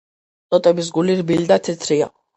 ტოტების გული რბილი და თეთრია.